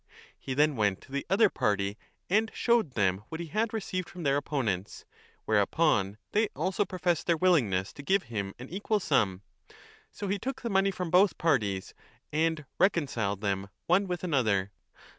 He then went to the other party and showed them what he had received from their opponents ; whereupon they also professed their willingness to give him an equal sum. So he took the money from both parties and reconciled them one with another.